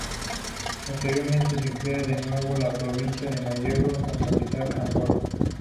Posteriormente, se crea de nuevo la provincia de Malleco, con capital Angol.